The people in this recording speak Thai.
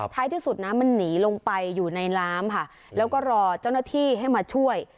ที่สุดน้ำมันหนีลงไปอยู่ในน้ำค่ะแล้วก็รอเจ้าหน้าที่ให้มาช่วย